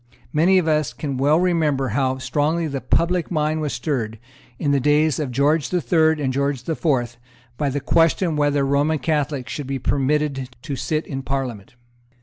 Many of us can well remember how strongly the public mind was stirred, in the days of George the Third and George the Fourth, by the question whether Roman Catholics should be permitted to sit in Parliament.